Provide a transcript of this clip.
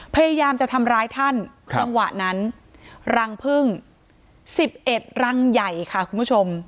พยายามจะทำร้ายท่านครับตั้งวันนั้นรังพึ่งสิบเอ็ดรังใหญ่ค่ะคุณผู้ชม